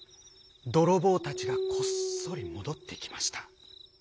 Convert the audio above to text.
どろぼうたちがこっそりもどってきました。